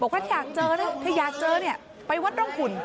บอกว่าถ้าอยากเจอเนี่ยถ้าอยากเจอเนี่ยไปวัดร่องขุ่น